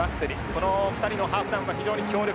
この２人のハーフ団は非常に強力。